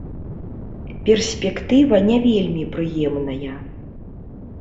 Перспектыва не вельмі прыемная.